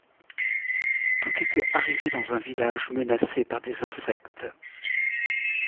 Tout était arrivé dans un village menacé par des insectes.